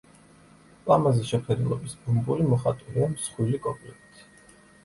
ლამაზი შეფერილობის ბუმბული მოხატულია მსხვილი კოპლებით.